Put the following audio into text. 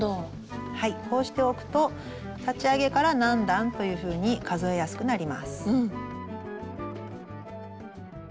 こうしておくと立ち上げから何段というふうに数えやすくなります。